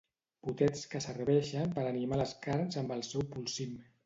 Potets que serveixen per animar les carns amb el seu polsim.